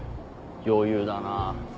余裕だなぁ。